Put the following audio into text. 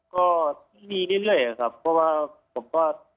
ก็มีนิดหน่อยครับเพราะว่าผมก็